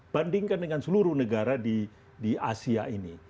bandingkan dengan seluruh negara di asia ini